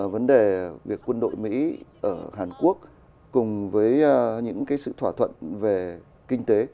vấn đề việc quân đội mỹ ở hàn quốc cùng với những sự thỏa thuận về kinh tế